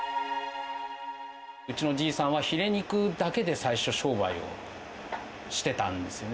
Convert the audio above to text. うちのじいさんは、ひれ肉だけで最初商売をしてたんですよね。